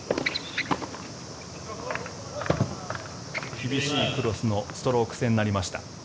厳しいクロスのストローク戦になりました。